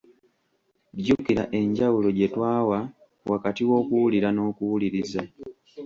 Jjukira enjawulo gye twawa wakati w’okuwulira n’okuwuliriza.